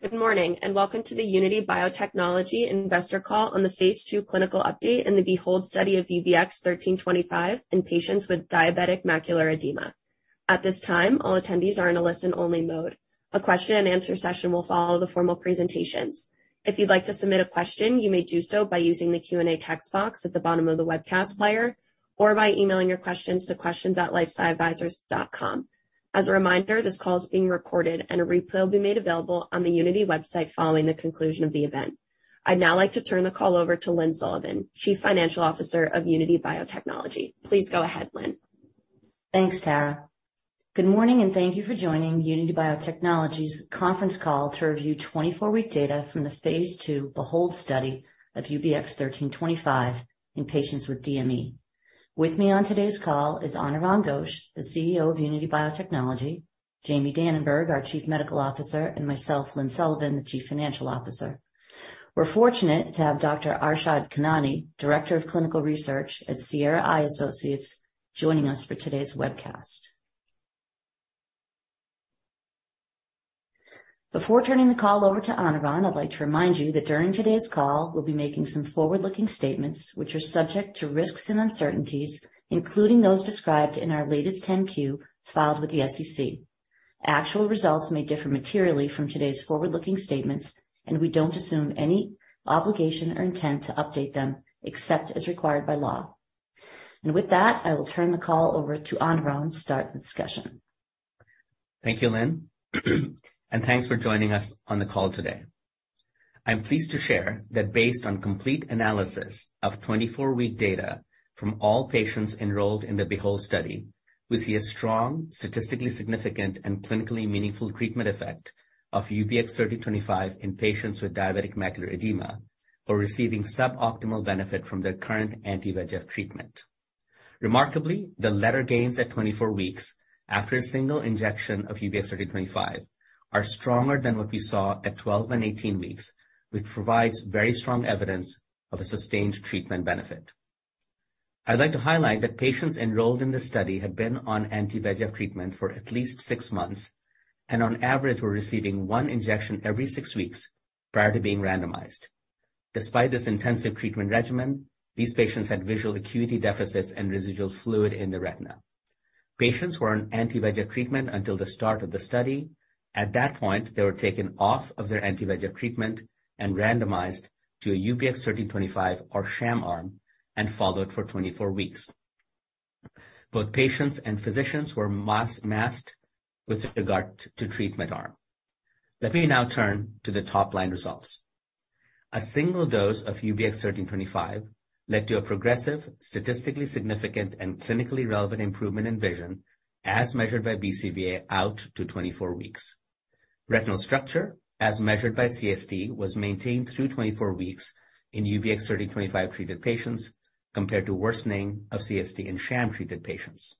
Good morning and welcome to the Unity Biotechnology Investor Call on the phase II clinical update in the BEHOLD study of UBX1325 in patients with diabetic macular edema. At this time, all attendees are in a listen-only mode. A Q&A session will follow the formal presentations. If you'd like to submit a question, you may do so by using the Q&A text box at the bottom of the webcast player or by emailing your questions to questions@lifesciadvisors.com. As a reminder, this call is being recorded and a replay will be made available on the Unity website following the conclusion of the event. I'd now like to turn the call over to Lynne Sullivan, Chief Financial Officer of Unity Biotechnology. Please go ahead, Lynne. Thanks, Tara. Good morning, and thank you for joining Unity Biotechnology's Conference Call to review 24-week data from the phase II BEHOLD study of UBX1325 in patients with DME. With me on today's call is Anirvan Ghosh, the CEO of Unity Biotechnology, Jamie Dananberg, our Chief Medical Officer, and myself, Lynne Sullivan, the Chief Financial Officer. We're fortunate to have Dr. Arshad Khanani, Director of Clinical Research at Sierra Eye Associates, joining us for today's webcast. Before turning the call over to Anirvan, I'd like to remind you that during today's call, we'll be making some forward-looking statements which are subject to risks and uncertainties, including those described in our latest 10-Q filed with the SEC. Actual results may differ materially from today's forward-looking statements, and we don't assume any obligation or intent to update them except as required by law. With that, I will turn the call over to Anirvan to start the discussion. Thank you, Lynne, and thanks for joining us on the call today. I'm pleased to share that based on complete analysis of 24-week data from all patients enrolled in the BEHOLD study, we see a strong, statistically significant, and clinically meaningful treatment effect of UBX1325 in patients with diabetic macular edema who are receiving suboptimal benefit from their current anti-VEGF treatment. Remarkably, the letter gains at 24 weeks after a single injection of UBX1325 are stronger than what we saw at 12 and 18 weeks, which provides very strong evidence of a sustained treatment benefit. I'd like to highlight that patients enrolled in this study had been on anti-VEGF treatment for at least six months, and on average were receiving one injection every six weeks prior to being randomized. Despite this intensive treatment regimen, these patients had visual acuity deficits and residual fluid in the retina. Patients were on anti-VEGF treatment until the start of the study. At that point, they were taken off of their anti-VEGF treatment and randomized to a UBX1325 or sham arm and followed for 24 weeks. Both patients and physicians were masked with regard to treatment arm. Let me now turn to the top-line results. A single dose of UBX1325 led to a progressive, statistically significant, and clinically relevant improvement in vision as measured by BCVA out to 24 weeks. Retinal structure, as measured by CST, was maintained through 24 weeks in UBX1325-treated patients compared to worsening of CST in sham-treated patients.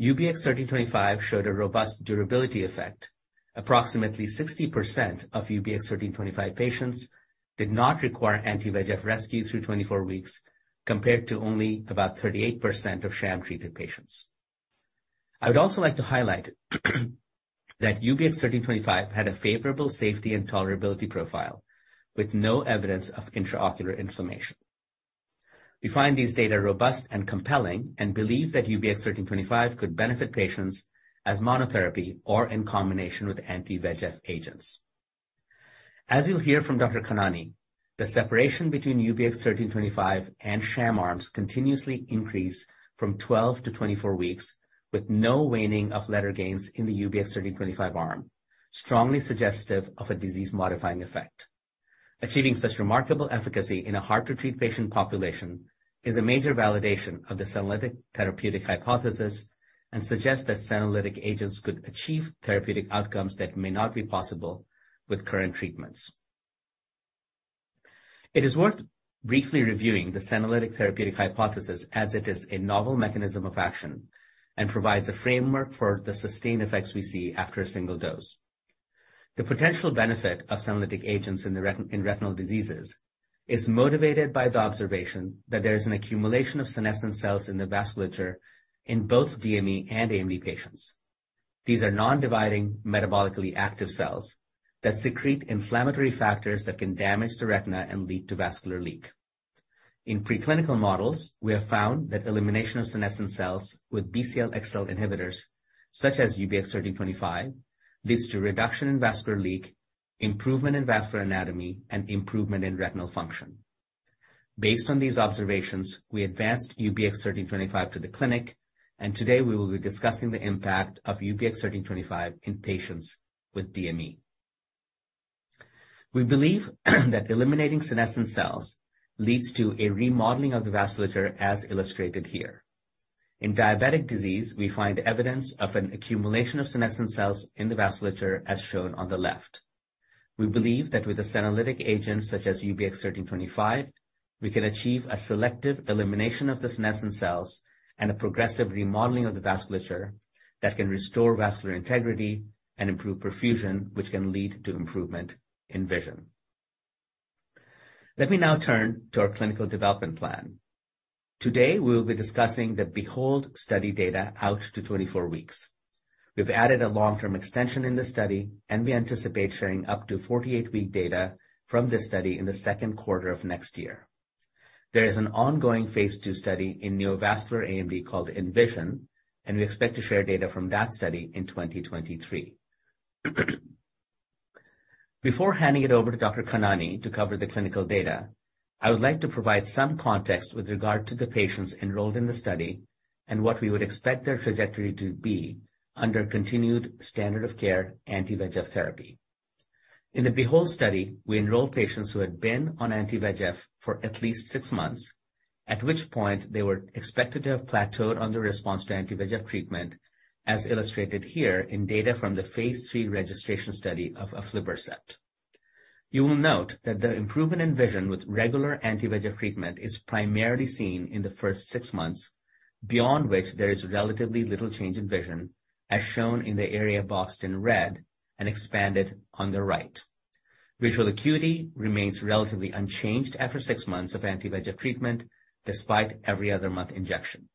UBX1325 showed a robust durability effect. Approximately 60% of UBX1325 patients did not require anti-VEGF rescue through 24 weeks, compared to only about 38% of sham-treated patients. I would also like to highlight that UBX1325 had a favorable safety and tolerability profile with no evidence of intraocular inflammation. We find this data robust and compelling and believe that UBX1325 could benefit patients as monotherapy or in combination with anti-VEGF agents. As you'll hear from Dr. Khanani, the separation between UBX1325 and sham arms continuously increase from 12-24 weeks with no waning of letter gains in the UBX1325 arm, strongly suggestive of a disease-modifying effect. Achieving such remarkable efficacy in a hard-to-treat patient population is a major validation of the senolytic therapeutic hypothesis and suggests that senolytic agents could achieve therapeutic outcomes that may not be possible with current treatments. It is worth briefly reviewing the senolytic therapeutic hypothesis as it is a novel mechanism of action and provides a framework for the sustained effects we see after a single dose. The potential benefit of senolytic agents in retinal diseases is motivated by the observation that there is an accumulation of senescent cells in the vasculature in both DME and AMD patients. These are non-dividing, metabolically active cells that secrete inflammatory factors that can damage the retina and lead to vascular leak. In preclinical models, we have found that elimination of senescent cells with BCL-xL inhibitors, such as UBX1325, leads to reduction in vascular leak, improvement in vascular anatomy, and improvement in retinal function. Based on these observations, we advanced UBX1325 to the clinic, and today we will be discussing the impact of UBX1325 in patients with DME. We believe that eliminating senescent cells leads to a remodeling of the vasculature, as illustrated here. In diabetic disease, we find evidence of an accumulation of senescent cells in the vasculature, as shown on the left. We believe that with a senolytic agent such as UBX1325, we can achieve a selective elimination of the senescent cells and a progressive remodeling of the vasculature that can restore vascular integrity and improve perfusion, which can lead to improvement in vision. Let me now turn to our clinical development plan. Today, we will be discussing the BEHOLD study data out to 24 weeks. We've added a long-term extension in the study, and we anticipate sharing up to 48-week data from this study in the second quarter of next year. There is an ongoing phase II study in neovascular AMD called ENVISION, and we expect to share data from that study in 2023. Before handing it over to Dr. Khanani to cover the clinical data, I would like to provide some context with regard to the patients enrolled in the study and what we would expect their trajectory to be under continued standard of care anti-VEGF therapy. In the BEHOLD study, we enrolled patients who had been on anti-VEGF for at least six months, at which point they were expected to have plateaued on the response to anti-VEGF treatment, as illustrated here in data from the phase III registration study of aflibercept. You will note that the improvement in vision with regular anti-VEGF treatment is primarily seen in the first six months, beyond which there is relatively little change in vision, as shown in the area boxed in red and expanded on the right. Visual acuity remains relatively unchanged after six months of anti-VEGF treatment despite every other month injection.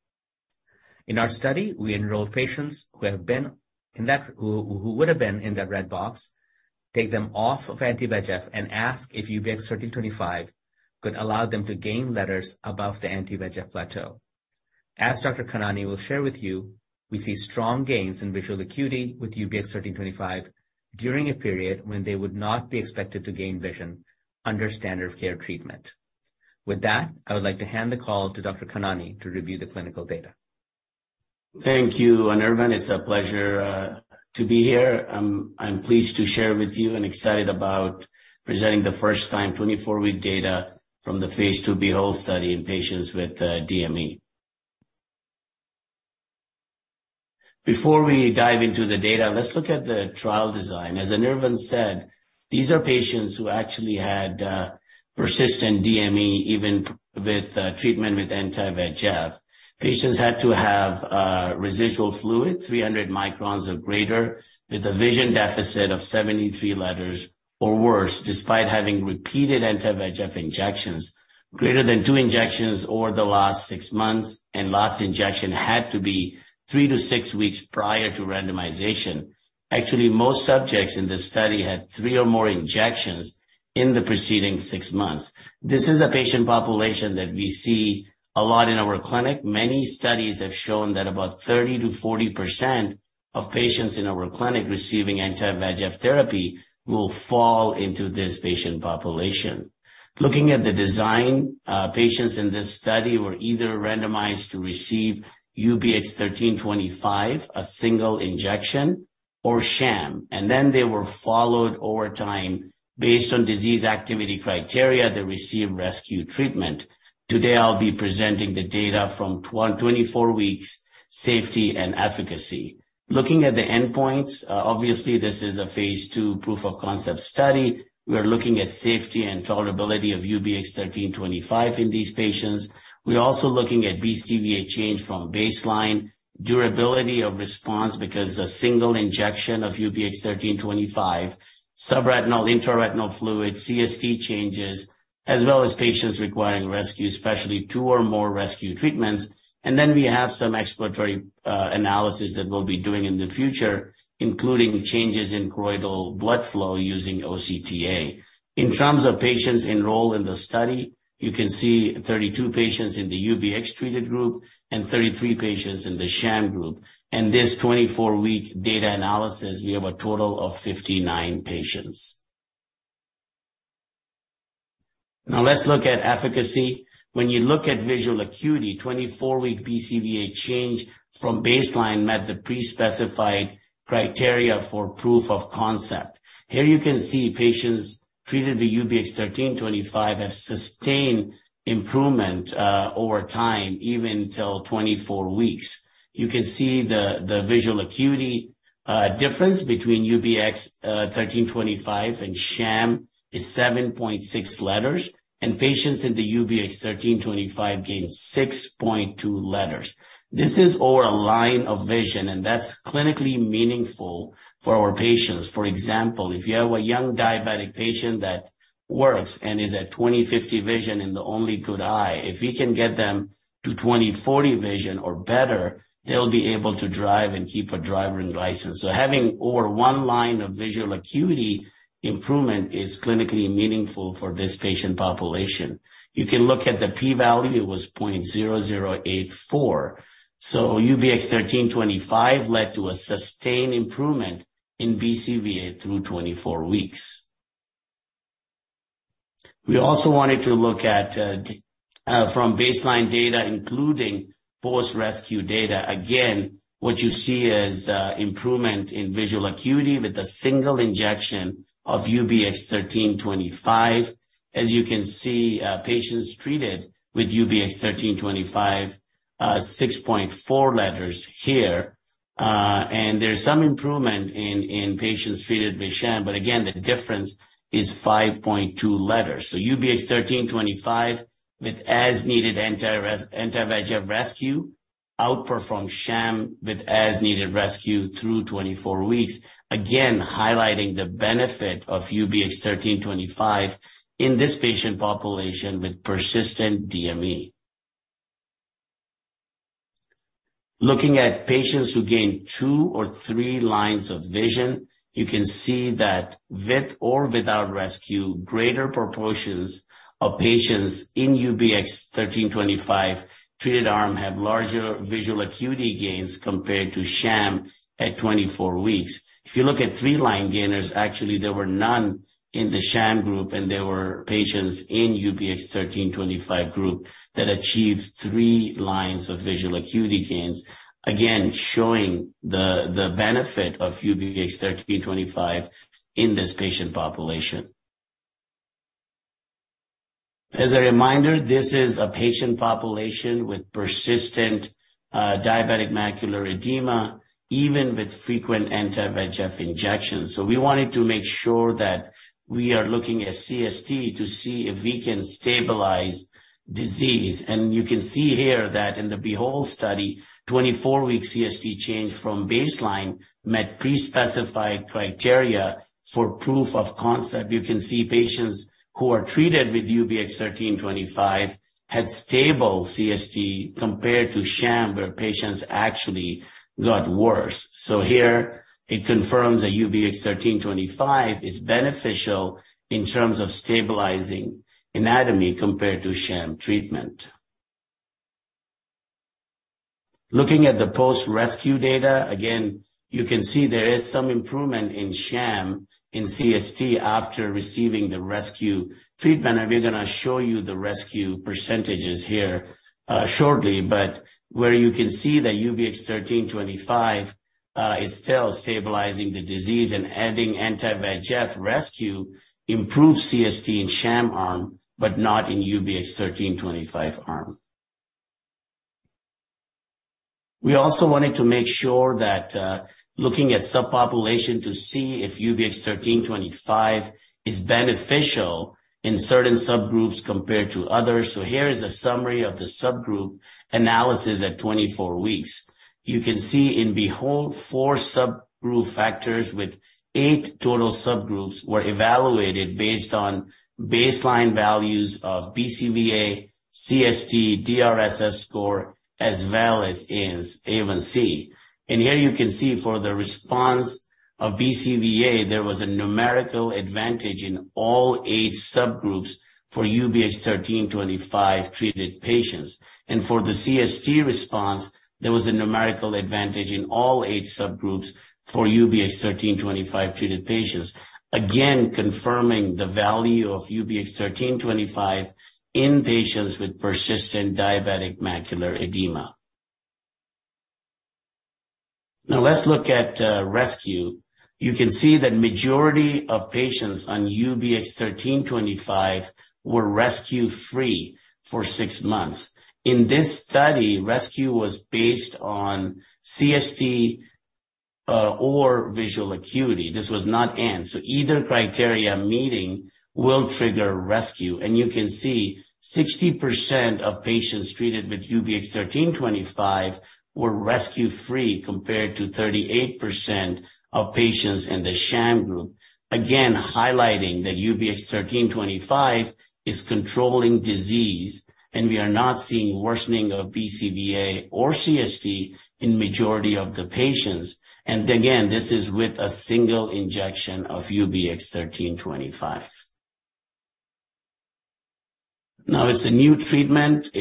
In our study, we enrolled patients who would have been in that red box, take them off of anti-VEGF and ask if UBX1325 could allow them to gain letters above the anti-VEGF plateau. As Dr. Khanani will share with you, we see strong gains in visual acuity with UBX1325 during a period when they would not be expected to gain vision under standard of care treatment. With that, I would like to hand the call to Dr. Khanani to review the clinical data. Thank you, Anirvan. It's a pleasure to be here. I'm pleased to share with you and excited about presenting the first-time 24-week data from the phase II BEHOLD study in patients with DME. Before we dive into the data, let's look at the trial design. As Anirvan said, these are patients who actually had persistent DME even with treatment with anti-VEGF. Patients had to have residual fluid, 300 microns or greater, with a vision deficit of 73 letters or worse, despite having repeated anti-VEGF injections, greater than two injections over the last six months, and last injection had to be three to six weeks prior to randomization. Actually, most subjects in this study had three or more injections in the preceding six months. This is a patient population that we see a lot in our clinic. Many studies have shown that about 30%-40% of patients in our clinic receiving anti-VEGF therapy will fall into this patient population. Looking at the design, patients in this study were either randomized to receive UBX1325, a single injection or sham, and then they were followed over time based on disease activity criteria that receive rescue treatment. Today, I'll be presenting the data from 24 weeks, safety and efficacy. Looking at the endpoints, obviously this is a phase II proof of concept study. We are looking at safety and tolerability of UBX1325 in these patients. We're also looking at BCVA change from baseline, durability of response because a single injection of UBX1325, subretinal intraretinal fluid, CST changes, as well as patients requiring rescue, especially two or more rescue treatments. We have some exploratory analysis that we'll be doing in the future, including changes in choroidal blood flow using OCTA. In terms of patients enrolled in the study, you can see 32 patients in the UBX-treated group and 33 patients in the sham group. In this 24-week data analysis, we have a total of 59 patients. Now, let's look at efficacy. When you look at visual acuity, 24-week BCVA change from baseline met the pre-specified criteria for proof of concept. Here you can see patients treated with UBX1325 have sustained improvement over time, even till 24 weeks. You can see the visual acuity difference between UBX1325 and sham is 7.6 letters, and patients in the UBX1325 gain 6.2 letters. This is over a line of vision, and that's clinically meaningful for our patients. For example, if you have a young diabetic patient that works and is at 20/50 vision in the only good eye, if we can get them to 20/40 vision or better, they'll be able to drive and keep a driving license. Having over one line of visual acuity improvement is clinically meaningful for this patient population. You can look at the p-value. It was 0.0084. UBX1325 led to a sustained improvement in BCVA through 24 weeks. We also wanted to look at data from baseline, including post-rescue data. Again, what you see is improvement in visual acuity with a single injection of UBX1325. As you can see, patients treated with UBX1325, 6.4 letters here. There's some improvement in patients treated with sham, but again, the difference is 5.2 letters. UBX1325 with as-needed anti-VEGF rescue outperformed sham with as-needed rescue through 24 weeks. Again, highlighting the benefit of UBX1325 in this patient population with persistent DME. Looking at patients who gained two or three lines of vision, you can see that with or without rescue, greater proportions of patients in UBX1325 treated arm have larger visual acuity gains compared to sham at 24 weeks. If you look at three-line gainers, actually, there were none in the sham group, and there were patients in UBX1325 group that achieved three lines of visual acuity gains, again, showing the benefit of UBX1325 in this patient population. As a reminder, this is a patient population with persistent diabetic macular edema, even with frequent anti-VEGF injections. We wanted to make sure that we are looking at CST to see if we can stabilize disease. You can see here that in the BEHOLD study, 24-week CST change from baseline met pre-specified criteria for proof of concept. You can see patients who are treated with UBX1325 had stable CST compared to sham, where patients actually got worse. Here it confirms that UBX1325 is beneficial in terms of stabilizing anatomy compared to sham treatment. Looking at the post-rescue data, again, you can see there is some improvement in sham in CST after receiving the rescue treatment. We're going to show you the rescue percentages here, shortly, but where you can see that UBX1325 is still stabilizing the disease and adding anti-VEGF rescue improves CST in sham arm but not in UBX1325 arm. We also wanted to make sure that, looking at sub-population to see if UBX1325 is beneficial in certain subgroups compared to others. Here is a summary of the subgroup analysis at 24 weeks. You can see in BEHOLD, four subgroup factors with eight total subgroups were evaluated based on baseline values of BCVA, CST, DRSS score, as well as HbA1c. Here you can see for the response of BCVA, there was a numerical advantage in all 8 subgroups for UBX1325-treated patients. For the CST response, there was a numerical advantage in all 8 subgroups for UBX1325-treated patients, again confirming the value of UBX1325 in patients with persistent diabetic macular edema. Now let's look at rescue. You can see that majority of patients on UBX1325 were rescue-free for six months. In this study, rescue was based on CST, or visual acuity. This was not AN. Either criteria meeting will trigger rescue. You can see 60% of patients treated with UBX1325 were rescue-free compared to 38% of patients in the sham group. Again, highlighting that UBX1325 is controlling disease, and we are not seeing worsening of BCVA or CST in majority of the patients. Again, this is with a single injection of UBX1325. Now it's a new treatment.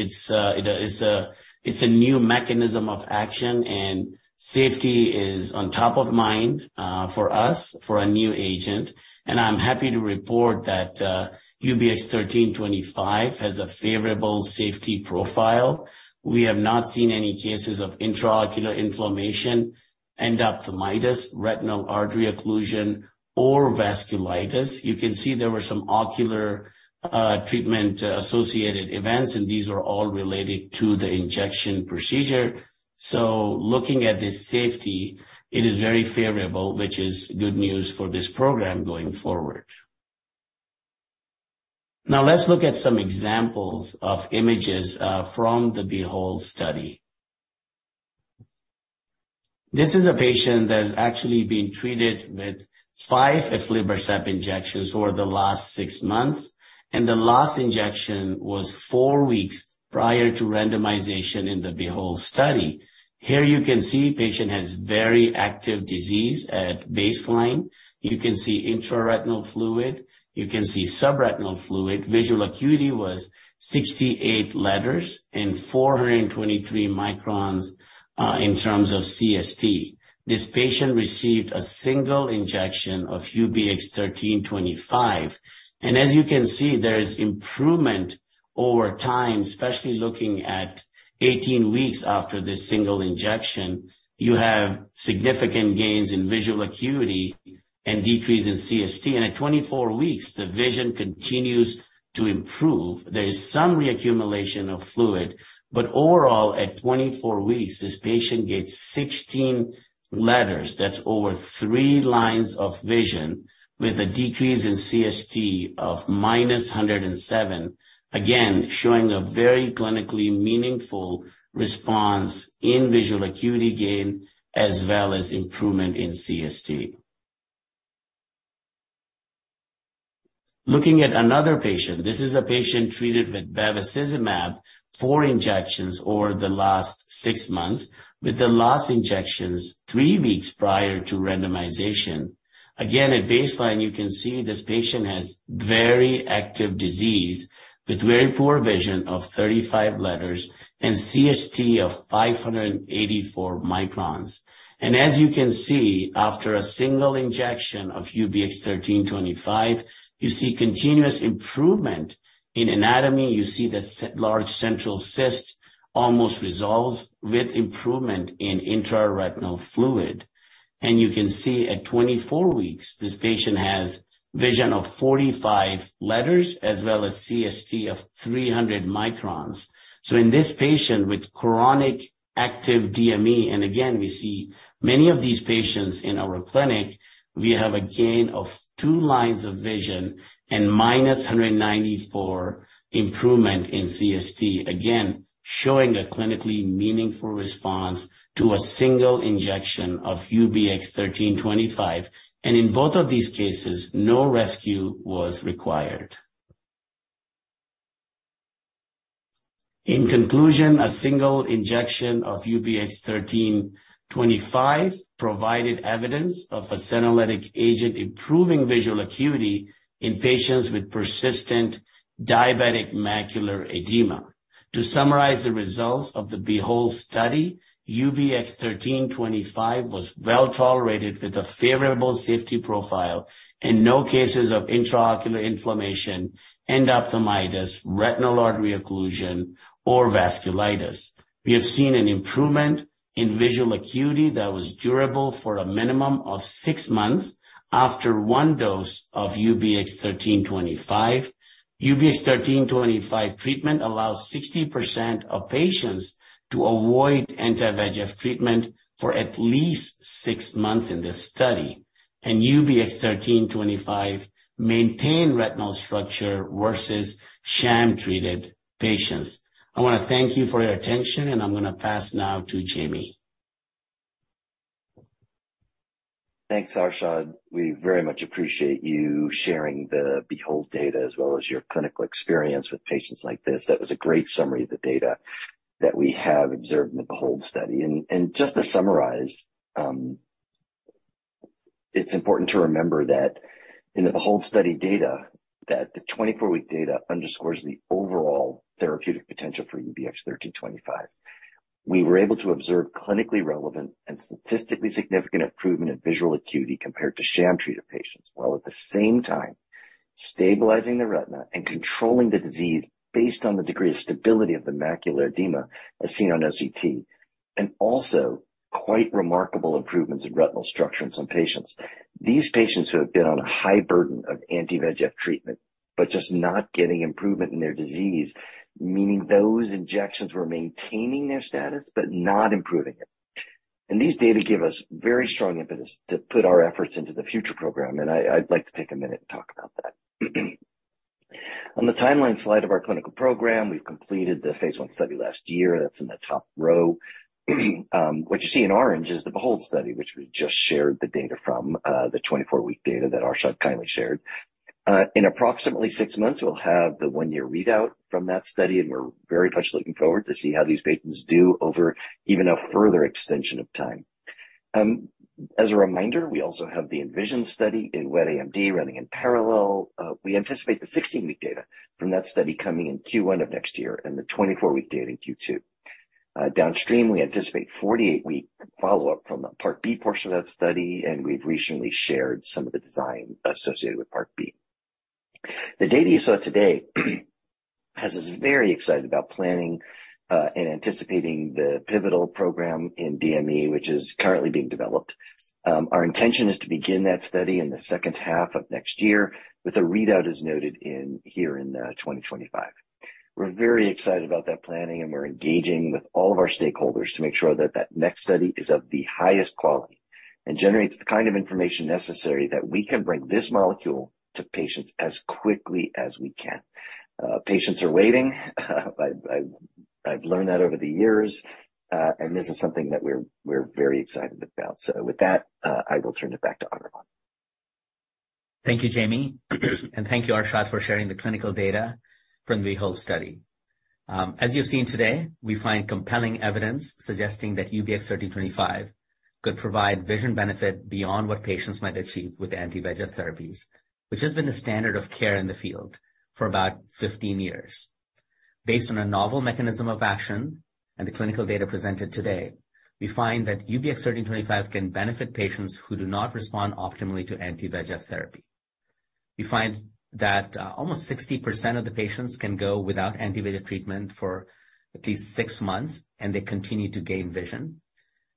It's a new mechanism of action, and safety is on top of mind for us, for a new agent. I'm happy to report that UBX1325 has a favorable safety profile. We have not seen any cases of intraocular inflammation, endophthalmitis, retinal artery occlusion, or vasculitis. You can see there were some ocular treatment-associated events, and these were all related to the injection procedure. Looking at the safety, it is very favorable, which is good news for this program going forward. Now let's look at some examples of images from the BEHOLD study. This is a patient that has actually been treated with five aflibercept injections over the last six months, and the last injection was four weeks prior to randomization in the BEHOLD study. Here you can see patient has very active disease at baseline. You can see intraretinal fluid. You can see subretinal fluid. Visual acuity was 68 letters and 423 microns in terms of CST. This patient received a single injection of UBX1325. As you can see, there is improvement over time, especially looking at 18 weeks after this single injection. You have significant gains in visual acuity and decrease in CST. At 24 weeks, the vision continues to improve. There is some reaccumulation of fluid, but overall, at 24 weeks, this patient gets 16 letters. That's over three lines of vision with a decrease in CST of minus 107, again, showing a very clinically meaningful response in visual acuity gain as well as improvement in CST. Looking at another patient. This is a patient treated with bevacizumab, four injections over the last six months, with the last injections three weeks prior to randomization. Again, at baseline, you can see this patient has very active disease with very poor vision of 35 letters and CST of 584 microns. As you can see, after a single injection of UBX1325, you see continuous improvement in anatomy. You see that large central cyst almost resolves with improvement in intraretinal fluid. You can see at 24 weeks, this patient has vision of 45 letters as well as CST of 300 microns. In this patient with chronic active DME, and again, we see many of these patients in our clinic, we have a gain of two lines of vision and -194 improvement in CST, again, showing a clinically meaningful response to a single injection of UBX1325. In both of these cases, no rescue was required. In conclusion, a single injection of UBX1325 provided evidence of a senolytic agent improving visual acuity in patients with persistent diabetic macular edema. To summarize the results of the BEHOLD study, UBX1325 was well-tolerated with a favorable safety profile and no cases of intraocular inflammation, endophthalmitis, retinal artery occlusion, or vasculitis. We have seen an improvement in visual acuity that was durable for a minimum of six months after one dose of UBX1325. UBX1325 treatment allows 60% of patients to avoid anti-VEGF treatment for at least six months in this study. UBX1325 maintained retinal structure versus sham-treated patients. I want to thank you for your attention, and I'm going to pass now to Jamie. Thanks, Arshad. We very much appreciate you sharing the BEHOLD data as well as your clinical experience with patients like this. That was a great summary of the data that we have observed in the BEHOLD study. It's important to remember that in the BEHOLD study data, that the 24-week data underscores the overall therapeutic potential for UBX1325. We were able to observe clinically relevant and statistically significant improvement in visual acuity compared to sham treated patients, while at the same time stabilizing the retina and controlling the disease based on the degree of stability of the macular edema as seen on OCT, and also quite remarkable improvements in retinal structure in some patients. These patients who have been on a high burden of anti-VEGF treatment, but just not getting improvement in their disease, meaning those injections were maintaining their status but not improving it. These data give us very strong impetus to put our efforts into the future program, and I'd like to take a minute and talk about that. On the timeline slide of our clinical program, we've completed the phase I study last year. That's in the top row. What you see in orange is the BEHOLD study, which we just shared the data from, the 24-week data that Arshad kindly shared. In approximately six months, we'll have the one-year readout from that study, and we're very much looking forward to see how these patients do over even a further extension of time. As a reminder, we also have the ENVISION study in wet AMD running in parallel. We anticipate the 16-week data from that study coming in Q1 of next year and the 24-week data in Q2. Downstream, we anticipate 48-week follow-up from the Part B portion of that study, and we've recently shared some of the design associated with Part B. The data you saw today has us very excited about planning and anticipating the pivotal program in DME, which is currently being developed. Our intention is to begin that study in the second half of next year with a readout as noted in here in 2025. We're very excited about that planning, and we're engaging with all of our stakeholders to make sure that that next study is of the highest quality and generates the kind of information necessary that we can bring this molecule to patients as quickly as we can. Patients are waiting. I've learned that over the years, and this is something that we're very excited about. With that, I will turn it back to Anirvan. Thank you, Jamie. Thank you, Arshad, for sharing the clinical data from the BEHOLD study. As you've seen today, we find compelling evidence suggesting that UBX1325 could provide vision benefit beyond what patients might achieve with anti-VEGF therapies, which has been the standard of care in the field for about 15 years. Based on a novel mechanism of action and the clinical data presented today, we find that UBX1325 can benefit patients who do not respond optimally to anti-VEGF therapy. We find that almost 60% of the patients can go without anti-VEGF treatment for at least six months, and they continue to gain vision.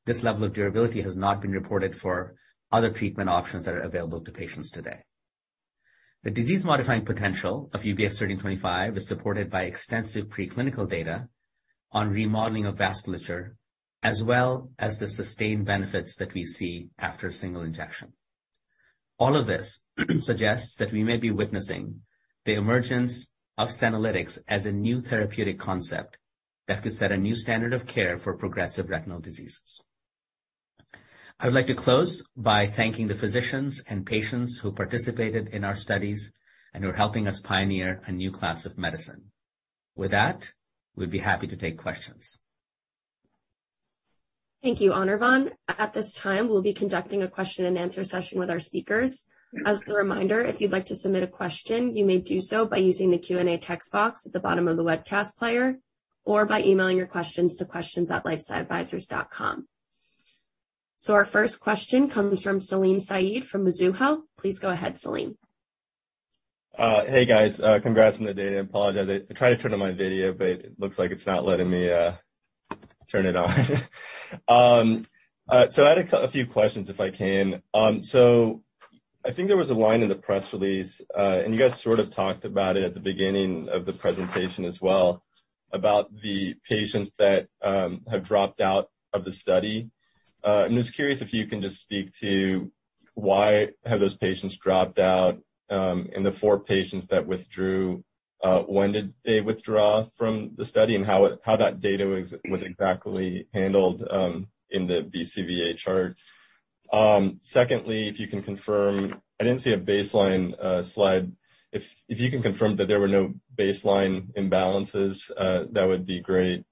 This level of durability has not been reported for other treatment options that are available to patients today. The disease-modifying potential of UBX1325 is supported by extensive preclinical data on remodeling of vasculature, as well as the sustained benefits that we see after a single injection. All of this suggests that we may be witnessing the emergence of senolytics as a new therapeutic concept that could set a new standard of care for progressive retinal diseases. I would like to close by thanking the physicians and patients who participated in our studies and who are helping us pioneer a new class of medicine. With that, we'd be happy to take questions. Thank you, Anirvan. At this time, we'll be conducting a Q&A session with our speakers. As a reminder, if you'd like to submit a question, you may do so by using the Q&A text box at the bottom of the webcast player or by emailing your questions to questions @lifesc iadvisors.com. Our first question comes from Salim Syed from Mizuho. Please go ahead, Salim. Hey, guys. Congrats on the data. I apologize, I tried to turn on my video, but it looks like it's not letting me turn it on. I had a few questions, if I can. I think there was a line in the press release, and you guys sort of talked about it at the beginning of the presentation as well, about the patients that have dropped out of the study. I was curious if you can just speak to why have those patients dropped out, and the four patients that withdrew, when did they withdraw from the study, and how that data was exactly handled in the BCVA chart. Secondly, if you can confirm, I didn't see a baseline slide. If you can confirm that there were no baseline imbalances, that would be great.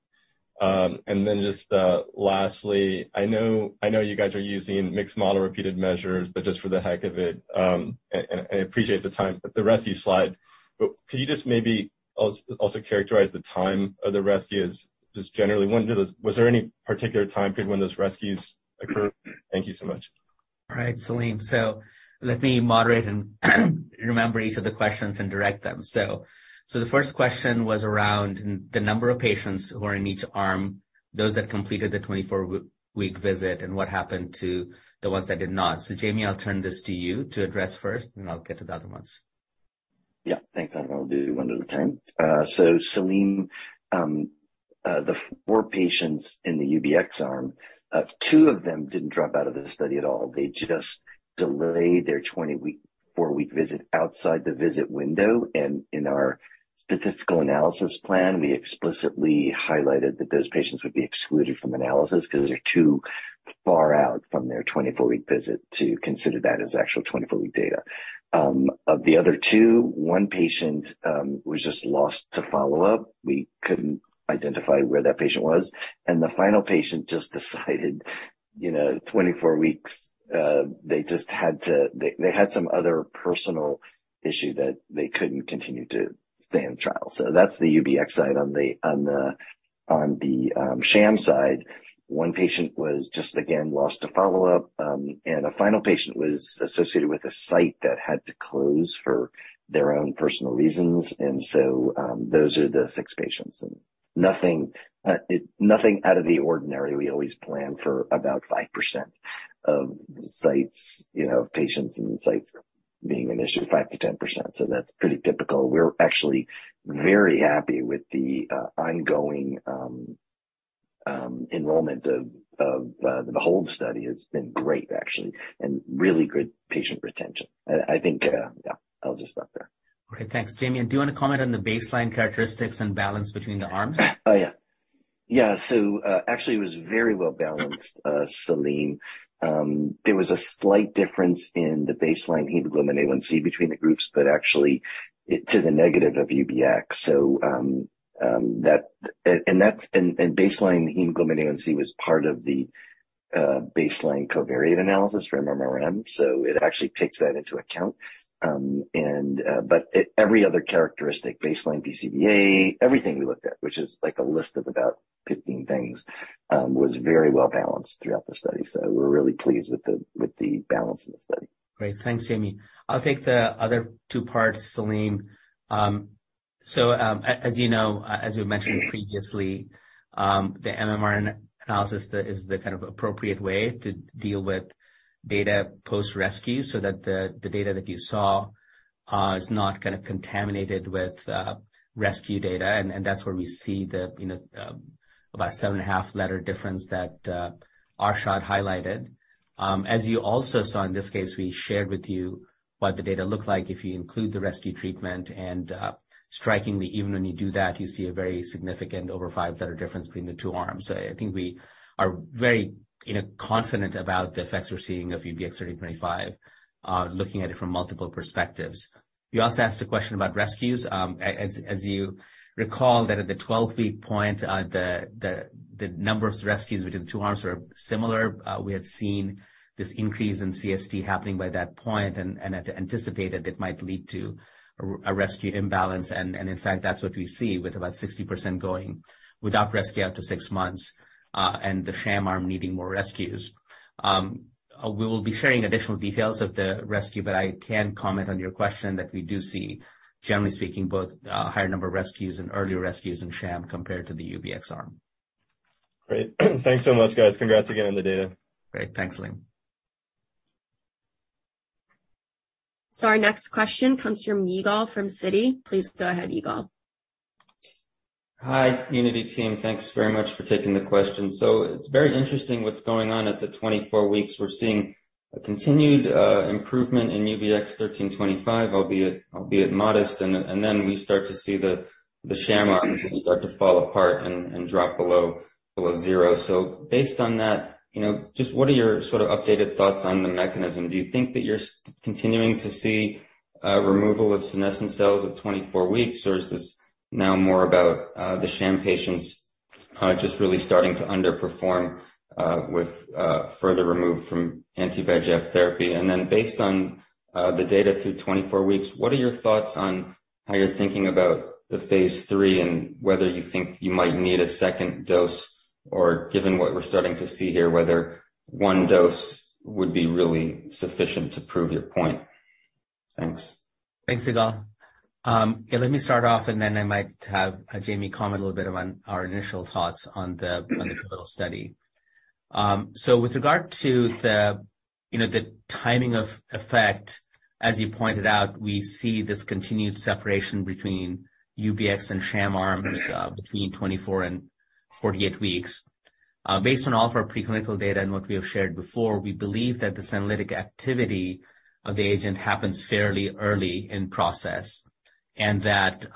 Just lastly, I know you guys are using mixed model repeated measures, but just for the heck of it, and I appreciate the time, but the rescue slide. Could you just maybe also characterize the time of the rescues, just generally when do those? Was there any particular time period when those rescues occurred? Thank you so much. All right, Salim. Let me moderate and remember each of the questions and direct them. The first question was around the number of patients who are in each arm, those that completed the 24-week visit, and what happened to the ones that did not. Jamie, I'll turn this to you to address first, and I'll get to the other ones. Yeah. Thanks, Anirvan. I'll do one at a time. Salim, the four patients in the UBX arm, two of them didn't drop out of the study at all. They just delayed their 24-week visit outside the visit window. In our statistical analysis plan, we explicitly highlighted that those patients would be excluded from analysis because they're too far out from their 24-week visit to consider that as actual 24-week data. Of the other two, one patient was just lost to follow-up. We couldn't identify where that patient was. The final patient just decided 24 weeks they had some other personal issue that they couldn't continue to stay in trial. That's the UBX side. On the sham side, one patient was just again lost to follow-up, and a final patient was associated with a site that had to close for their own personal reasons. Those are the six patients. Nothing out of the ordinary. We always plan for about 5% of sites, you know, patients and sites being an issue, 5%-10%. That's pretty typical. We're actually very happy with the ongoing enrollment of the whole study. It's been great, actually, and really good patient retention. I think, yeah, I'll just stop there. Okay, thanks, Jamie. Do you want to comment on the baseline characteristics and balance between the arms? Actually, it was very well-balanced, Salim. There was a slight difference in the baseline HbA1C between the groups, but actually it to the negative of UBX. That baseline HbA1c was part of the baseline covariate analysis for MMRM, so it actually takes that into account. But every other characteristic, baseline BCVA, everything we looked at, which is like a list of about 15 things, was very well-balanced throughout the study. We're really pleased with the balance in the study. Great. Thanks, Jamie. I'll take the other two parts, Salim. So, as you know, as we mentioned previously, the MMRM analysis is the kind of appropriate way to deal with data post-rescue so that the data that you saw is not gonna contaminated with rescue data. That's where we see the you know about 7.5 letter difference that Arshad highlighted. As you also saw in this case, we shared with you what the data looked like if you include the rescue treatment. Strikingly, even when you do that, you see a very significant over five letter difference between the two arms. I think we are very you know confident about the effects we're seeing of UBX1325 looking at it from multiple perspectives. You also asked a question about rescues. As you recall that at the 12-week point, the number of rescues between the two arms were similar. We had seen this increase in CST happening by that point and had anticipated it might lead to a rescue imbalance. In fact, that's what we see with about 60% going without rescue after six months, and the sham arm needing more rescues. We will be sharing additional details of the rescue, but I can comment on your question that we do see, generally speaking, both higher number of rescues and earlier rescues in sham compared to the UBX arm. Great. Thanks so much, guys. Congrats again on the data. Great. Thanks, Salim. Our next question comes from Yigal from Citi. Please go ahead, Yigal. Hi, Unity team. Thanks very much for taking the question. It's very interesting what's going on at the 24 weeks. We're seeing a continued improvement in UBX1325, albeit modest. We start to see the sham arm start to fall apart and drop below zero. Based on that, you know, just what are your sort of updated thoughts on the mechanism? Do you think that you're continuing to see removal of senescent cells at 24 weeks, or is this now more about the sham patients just really starting to under-perform with further removed from anti-VEGF therapy? Based on the data through 24 weeks, what are your thoughts on how you're thinking about the phase III and whether you think you might need a second dose, or given what we're starting to see here, whether one dose would be really sufficient to prove your point? Thanks. Thanks, Yigal. Let me start off, and then I might have Jamie comment a little bit on our initial thoughts on the pivotal study. With regard to the, you know, the timing of effect, as you pointed out, we see this continued separation between UBX and sham arms, between 24 and 48 weeks. Based on all of our preclinical data and what we have shared before, we believe that the senolytic activity of the agent happens fairly early in process, and that,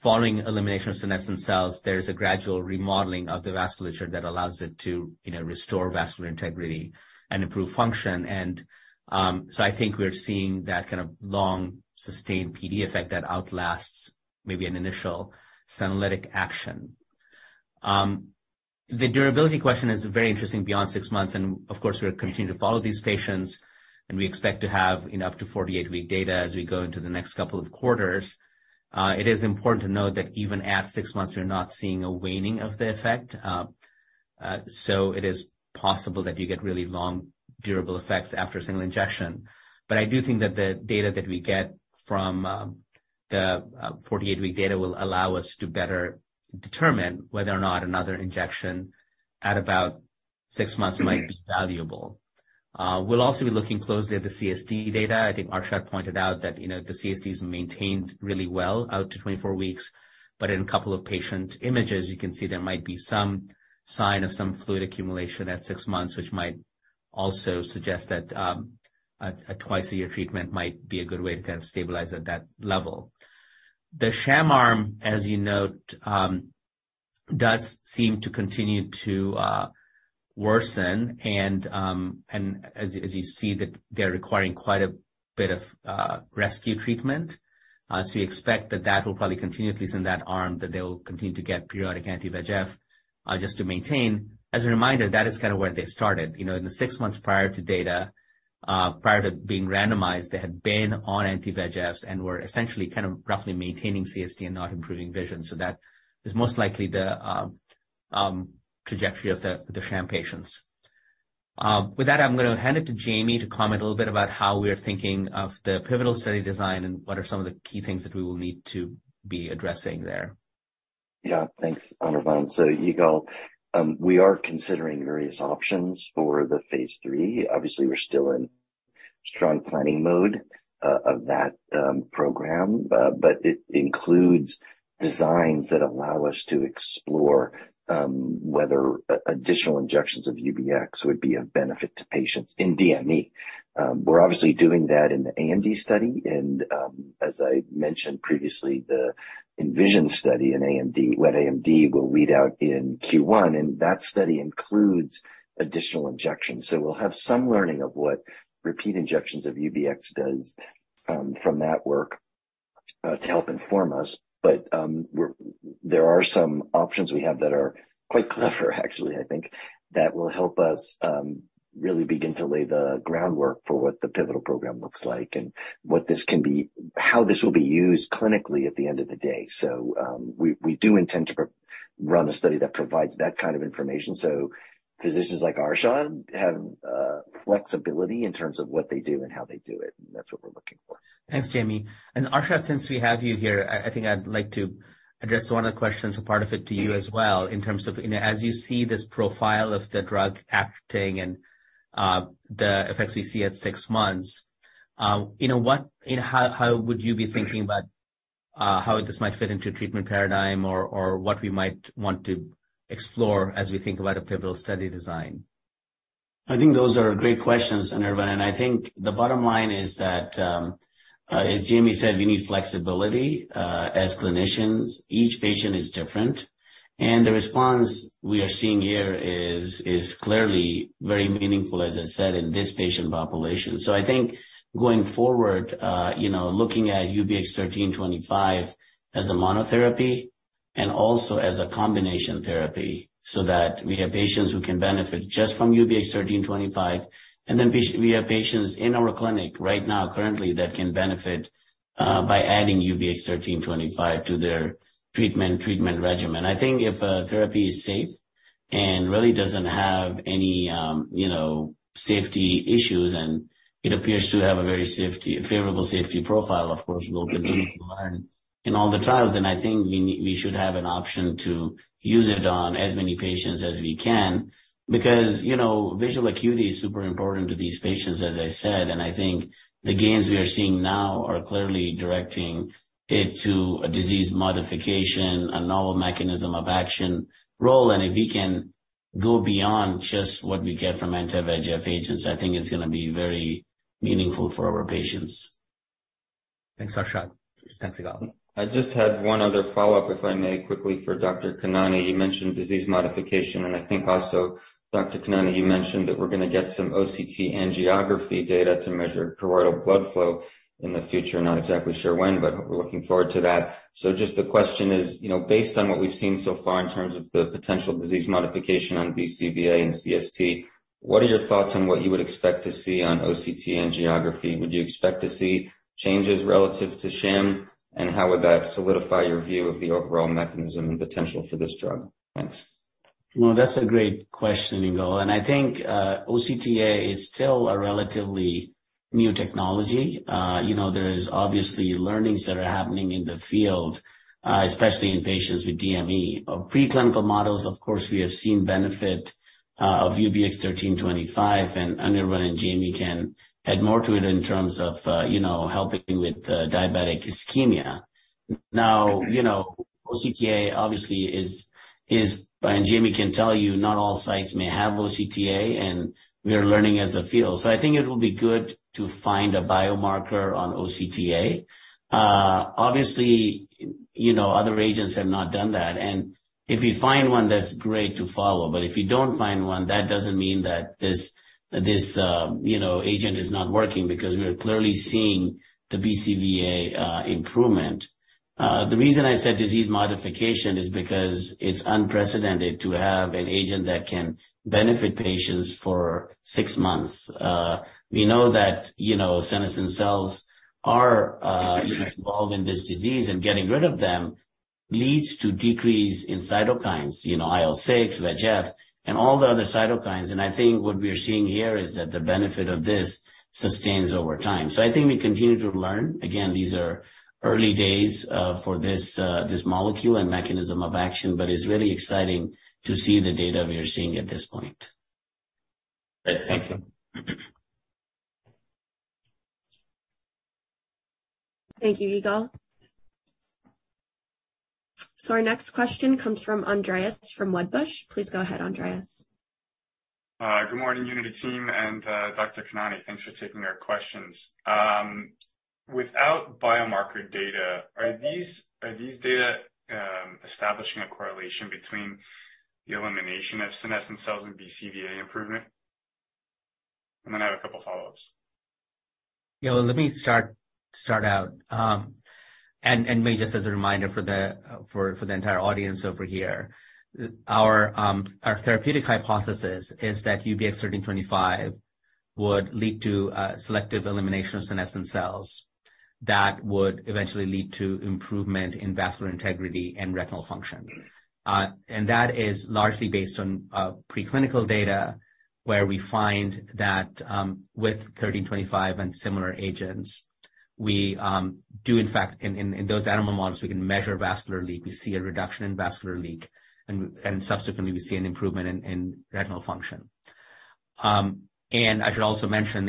following elimination of senescent cells, there's a gradual remodeling of the vasculature that allows it to, you know, restore vascular integrity and improve function. I think we're seeing that kind of long, sustained PD effect that outlasts maybe an initial senolytic action. The durability question is very interesting beyond six months. Of course, we're continuing to follow these patients, and we expect to have, you know, up to 48-week data as we go into the next couple of quarters. It is important to note that even at six months, we're not seeing a waning of the effect. So it is possible that you get really long, durable effects after a single injection. I do think that the data that we get from the 48-week data will allow us to better determine whether or not another injection at about six months might be valuable. We'll also be looking closely at the CST data. I think Arshad pointed out that, you know, the CST is maintained really well out to 24 weeks. In a couple of patient images, you can see there might be some sign of some fluid accumulation at six months, which might also suggest that a twice-a-year treatment might be a good way to kind of stabilize at that level. The sham arm, as you note, does seem to continue to worsen. As you see, that they're requiring quite a bit of rescue treatment. We expect that will probably continue, at least in that arm, that they will continue to get periodic anti-VEGF just to maintain. As a reminder, that is kind of where they started. You know, in the six months prior to data prior to being randomized, they had been on anti-VEGFs and were essentially kind of roughly maintaining CST and not improving vision. That is most likely the trajectory of the sham patients. With that, I'm going to hand it to Jamie to comment a little bit about how we are thinking of the pivotal study design and what are some of the key things that we will need to be addressing there. Yeah. Thanks, Anirvan. Yigal, we are considering various options for the phase III. Obviously, we're still in strong planning mode of that program. It includes designs that allow us to explore whether additional injections of UBX would be of benefit to patients in DME. We're obviously doing that in the AMD study. As I mentioned previously, the ENVISION study in AMD, wet AMD, will read out in Q1, and that study includes additional injections. We'll have some learning of what repeat injections of UBX does from that work to help inform us. There are some options we have that are quite clever, actually, I think, that will help us really begin to lay the groundwork for what the pivotal program looks like and how this will be used clinically at the end of the day. We do intend to run a study that provides that kind of information so physicians like Arshad have flexibility in terms of what they do and how they do it, and that's what we're looking for. Thanks, Jamie. Arshad, since we have you here, I think I'd like to address one of the questions, a part of it to you as well, in terms of, you know, as you see this profile of the drug acting and, the effects we see at six months, you know, how would you be thinking about, how this might fit into treatment paradigm or what we might want to explore as we think about a pivotal study design? I think those are great questions, Anirvan, and I think the bottom line is that, as Jamie said, we need flexibility, as clinicians. Each patient is different, and the response we are seeing here is clearly very meaningful, as I said, in this patient population. I think going forward, you know, looking at UBX1325 as a monotherapy and also as a combination therapy so that we have patients who can benefit just from UBX1325, and then we have patients in our clinic right now currently that can benefit, by adding UBX1325 to their treatment regimen. I think if a therapy is safe and really doesn't have any, you know, safety issues, and it appears to have a very favorable safety profile, of course, we'll continue to learn in all the trials, then I think we should have an option to use it on as many patients as we can. Because, you know, visual acuity is super important to these patients, as I said, and I think the gains we are seeing now are clearly directing it to a disease modification, a novel mechanism of action role. If we can go beyond just what we get from anti-VEGF agents, I think it's gonna be very meaningful for our patients. Thanks, Arshad. Thanks, Yigal. I just had one other follow-up, if I may, quickly for Dr. Khanani. You mentioned disease modification, and I think also, Dr. Khanani, you mentioned that we're going to get some OCT angiography data to measure choroidal blood flow in the future. Not exactly sure when, but we're looking forward to that. Just the question is, you know, based on what we've seen so far in terms of the potential disease modification on BCVA and CST, what are your thoughts on what you would expect to see on OCT angiography? Would you expect to see changes relative to sham, and how would that solidify your view of the overall mechanism and potential for this drug? Thanks. Well, that's a great question, Yigal, and I think, OCTA is still a relatively new technology. You know, there is obviously learnings that are happening in the field, especially in patients with DME. Of preclinical models, of course, we have seen benefit of UBX1325, and Anirvan and Jamie can add more to it in terms of, you know, helping with diabetic ischemia. Now, you know, OCTA obviously is, and Jamie can tell you, not all sites may have OCTA, and we are learning as a field. So I think it will be good to find a biomarker on OCTA. Obviously, you know, other agents have not done that. If you find one, that's great to follow. If you don't find one, that doesn't mean that this agent is not working because we are clearly seeing the BCVA improvement. The reason I said disease modification is because it's unprecedented to have an agent that can benefit patients for six months. We know that senescent cells are involved in this disease, and getting rid of them leads to decrease in cytokines, you know, IL-6, VEGF, and all the other cytokines. I think what we are seeing here is that the benefit of this sustains over time. I think we continue to learn. Again, these are early days for this molecule and mechanism of action, but it's really exciting to see the data we are seeing at this point. Great. Thank you. Thank you, Yigal. Our next question comes from Andreas from Wedbush. Please go ahead, Andreas. Good morning, Unity team and Dr. Khanani. Thanks for taking our questions. Without biomarker data, are these data establishing a correlation between the elimination of senescent cells and BCVA improvement? I have a couple of follow-ups. Yeah. Well, let me start out and maybe just as a reminder for the entire audience over here. Our therapeutic hypothesis is that UBX1325 would lead to selective elimination of senescent cells that would eventually lead to improvement in vascular integrity and retinal function. That is largely based on preclinical data, where we find that with UBX1325 and similar agents, we do in fact, in those animal models, we can measure vascular leak. We see a reduction in vascular leak, and subsequently, we see an improvement in retinal function. I should also mention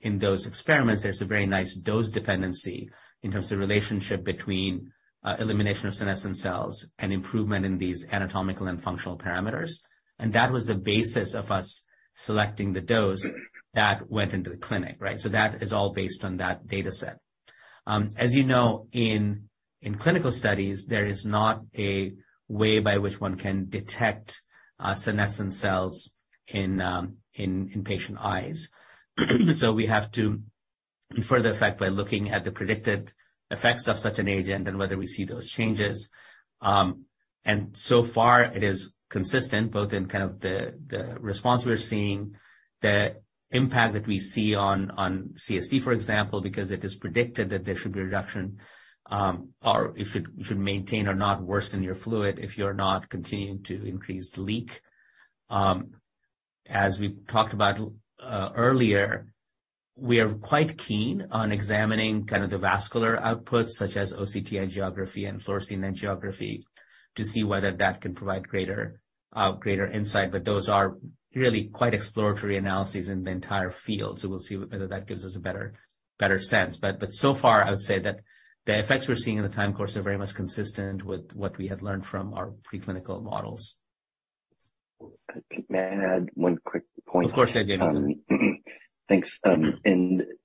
in those experiments, there's a very nice dose dependency in terms of relationship between elimination of senescent cells and improvement in these anatomical and functional parameters. That was the basis of us selecting the dose that went into the clinic, right? That is all based on that data set. As you know, in clinical studies, there is not a way by which one can detect senescent cells in patient eyes. We have to infer the effect by looking at the predicted effects of such an agent and whether we see those changes. It is consistent, both in kind of the response we're seeing, the impact that we see on CST, for example, because it is predicted that there should be a reduction, or if it should maintain or not worsen your fluid if you're not continuing to increase leak. As we talked about earlier, we are quite keen on examining kind of the vascular outputs such as OCT angiography and fluorescein angiography to see whether that can provide greater insight. Those are really quite exploratory analyses in the entire field. We'll see whether that gives us a better sense. So far, I would say that the effects we're seeing in the time course are very much consistent with what we had learned from our preclinical models. May I add one quick point? Of course, yeah. Thanks.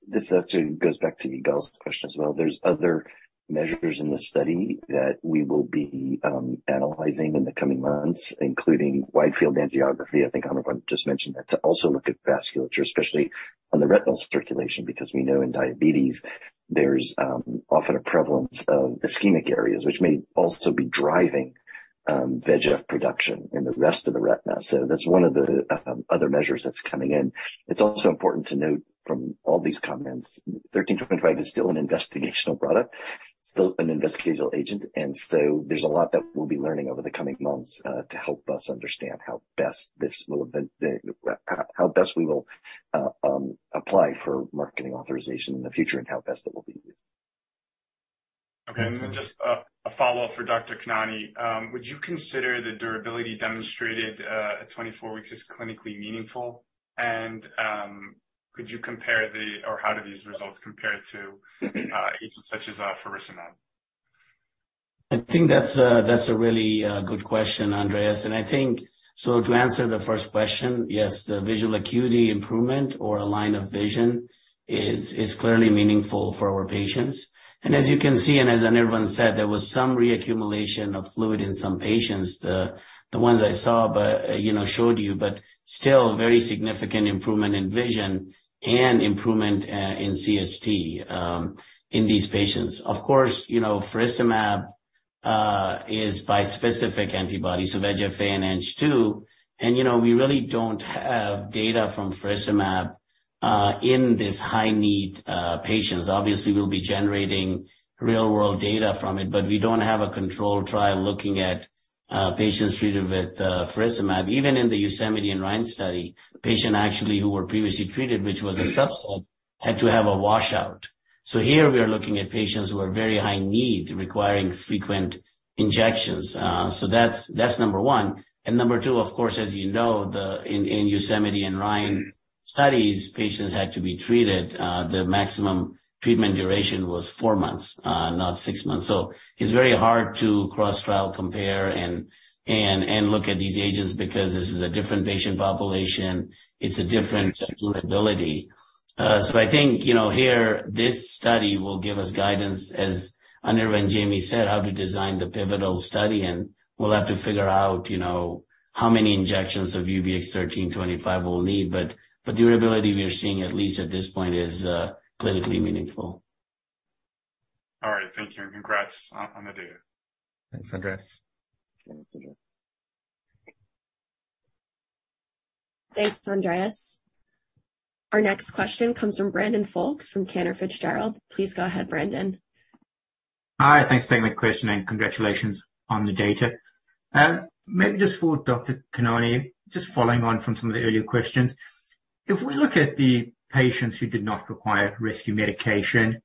This actually goes back to Yigal's question as well. There's other measures in the study that we will be analyzing in the coming months, including wide-field angiography. I think Anirvan just mentioned that to also look at vasculature, especially on the retinal circulation, because we know in diabetes there's often a prevalence of ischemic areas which may also be driving VEGF production in the rest of the retina. That's one of the other measures that's coming in. It's also important to note from all these comments, UBX1325 is still an investigational product, still an investigational agent, and so there's a lot that we'll be learning over the coming months to help us understand how best we will apply for marketing authorization in the future and how best it will be used. Just a follow-up for Dr. Khanani. Would you consider the durability demonstrated at 24 weeks as clinically meaningful? Could you compare or how do these results compare to agents such as faricimab? I think that's a really good question, Andreas. I think so to answer the first question, yes, the visual acuity improvement or a line of vision is clearly meaningful for our patients. As you can see, and as Anirvan said, there was some re-accumulation of fluid in some patients, the ones I saw, but you know showed you. Still very significant improvement in vision and improvement in CST in these patients. Of course, you know, faricimab is bispecific antibody, so VEGF and Ang-2. You know, we really don't have data from faricimab in this high-need patients. Obviously, we'll be generating real-world data from it, but we don't have a controlled trial looking at patients treated with faricimab. Even in the YOSEMITE and RHINE study, patients actually who were previously treated, which was a sub-study, had to have a washout. Here we are looking at patients who are very high need, requiring frequent injections. So that's number one. Number two, of course, as you know, in YOSEMITE and RHINE studies, patients had to be treated, the maximum treatment duration was four months, not six months. It's very hard to cross-trial compare and look at these agents because this is a different patient population. It's a different durability. I think, you know, here this study will give us guidance, as Anirvan and Jamie said, how to design the pivotal study. We'll have to figure out, you know, how many injections of UBX1325 we'll need but the durability we are seeing, at least at this point, is clinically meaningful. All right. Thank you, and congrats on the data. Thanks, Andreas. Thanks, Andreas. Our next question comes from Brandon Folkes from Cantor Fitzgerald. Please go ahead, Brandon. Hi. Thanks for taking my question, and congratulations on the data. Maybe just for Dr. Khanani, just following on from some of the earlier questions. If we look at the patients who did not require rescue medication,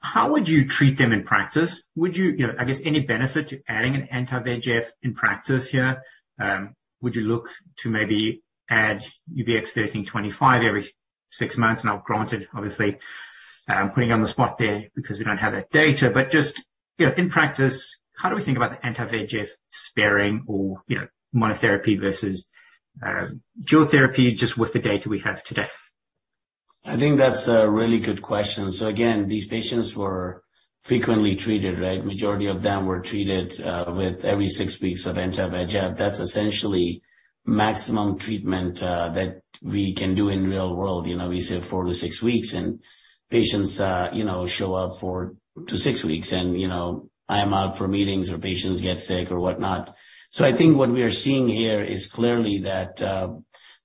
how would you treat them in practice? You know, I guess any benefit to adding an anti-VEGF in practice here? Would you look to maybe add UBX1325 every six months? Now, granted, obviously, putting you on the spot there because we don't have that data. Just, you know, in practice, how do we think about the anti-VEGF sparing or, you know, monotherapy versus dual therapy just with the data we have today? I think that's a really good question. Again, these patients were frequently treated, right? Majority of them were treated with every six weeks of anti-VEGF. That's essentially maximum treatment that we can do in real world. You know, we say four to six weeks, and patients, you know, show up four to six weeks and, you know, I am out for meetings or patients get sick or whatnot. I think what we are seeing here is clearly that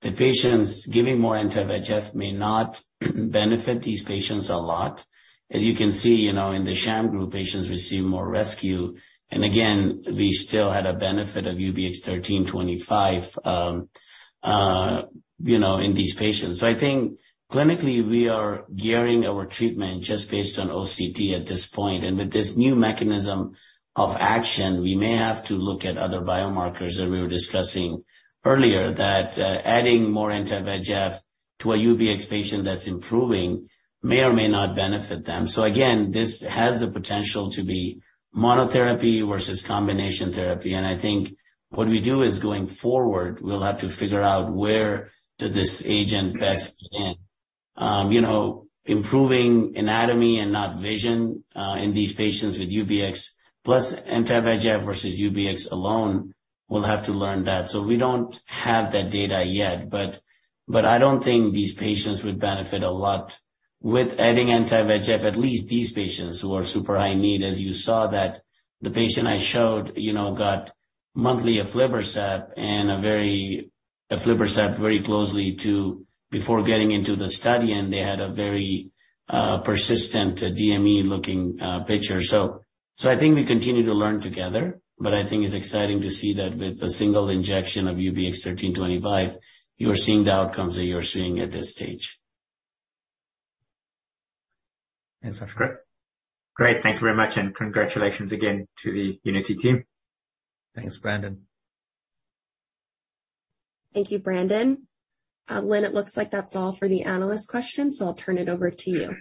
the patients giving more anti-VEGF may not benefit these patients a lot. As you can see, you know, in the sham group, patients receive more rescue. Again, we still had a benefit of UBX1325, you know, in these patients. I think clinically we are gearing our treatment just based on OCT at this point. With this new mechanism of action, we may have to look at other biomarkers that we were discussing earlier, that adding more anti-VEGF to a UBX patient that's improving may or may not benefit them. Again, this has the potential to be monotherapy versus combination therapy. I think what we do is going forward, we'll have to figure out where do this agent best fit in. You know, improving anatomy and not vision, in these patients with UBX plus anti-VEGF versus UBX alone, we'll have to learn that. We don't have that data yet, but I don't think these patients would benefit a lot with adding anti-VEGF, at least these patients who are super high need. As you saw, the patient I showed, you know, got monthly aflibercept and a very aflibercept very closely to before getting into the study, and they had a very, persistent DME-looking, picture. I think we continue to learn together, but I think it's exciting to see that with a single injection of UBX1325, you are seeing the outcomes that you are seeing at this stage. Thanks, Arshad Khanani. Great. Thank you very much, and congratulations again to the Unity team. Thanks, Brandon. Thank you, Brandon. Lynne, it looks like that's all for the analyst questions, so I'll turn it over to you.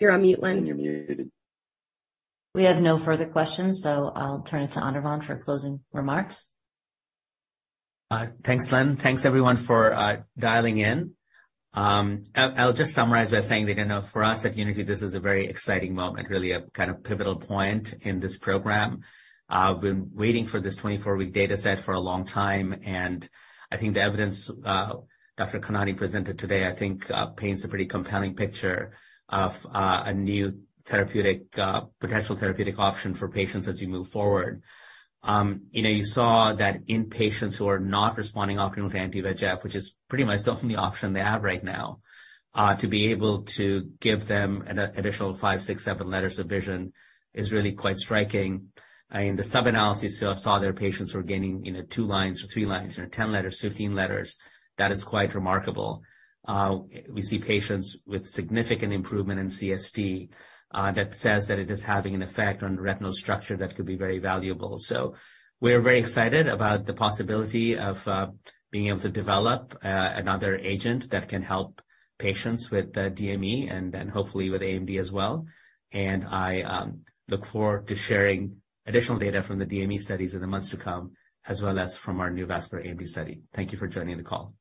You're on mute, Lynne. You're muted. We have no further questions, so I'll turn it to Anirvan for closing remarks. Thanks, Lynn. Thanks, everyone, for dialing in. I'll just summarize by saying that, you know, for us at Unity, this is a very exciting moment, really a kind of pivotal point in this program. We've been waiting for this 24-week data set for a long time, and I think the evidence, Dr. Khanani presented today, I think, paints a pretty compelling picture of, a new therapeutic, potential therapeutic option for patients as we move forward. You know, you saw that in patients who are not responding optimally to anti-VEGF, which is pretty much the only option they have right now, to be able to give them an additional five, six, seven letters of vision is really quite striking. In the sub-analysis, you saw their patients were gaining, you know, two lines or three lines or 10 letters, 15 letters. That is quite remarkable. We see patients with significant improvement in CST, that says that it is having an effect on retinal structure that could be very valuable. We are very excited about the possibility of being able to develop another agent that can help patients with DME and then hopefully with AMD as well. I look forward to sharing additional data from the DME studies in the months to come, as well as from our new vascular AMD study. Thank you for joining the call.